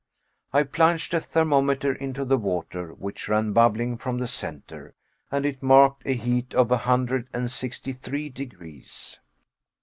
I plunged a thermometer into the water which ran bubbling from the centre, and it marked a heat of a hundred and sixty three degrees!